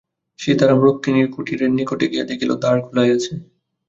সীতারাম রুক্মিণীর কুটীরের নিকটে গিয়া দেখিল, দ্বার খােলাই আছে।